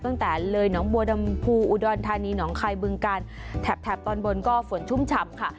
ตั้งแต่เลยหนองบัวดำภูอุดรธานีหนองคายบึงกาลแถบแถบตอนบนก็ฝนชุ่มฉ่ำค่ะ